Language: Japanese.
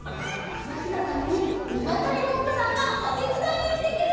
このひのためににわとりコックさんがおてつだいにきてくれました！